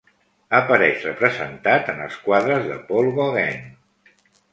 Apareix representat en els quadres de Paul Gauguin.